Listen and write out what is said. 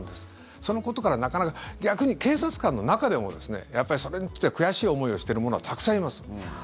そのことから、なかなか逆に警察官の中でもですねやっぱり、それによって悔しい思いをしている者はたくさんいます。